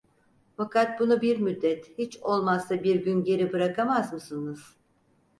Fakat bunu bir müddet, hiç olmazsa bir gün geri bırakamaz mısınız?